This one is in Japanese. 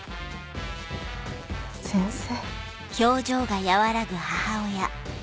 先生。